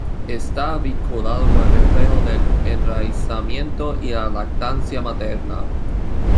Está vinculado con el reflejo del enraizamiento y la lactancia materna.